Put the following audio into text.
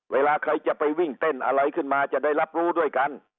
เวลาใครจะไปวิ่งเต้นอะไรขึ้นมาจะได้รับรู้ด้วยกัน